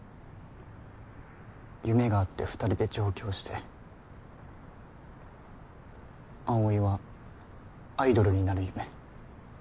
夢があって２人で上京して葵はアイドルになる夢